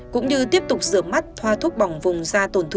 cũng như tiếp tục rửa mắt hoa thuốc bỏng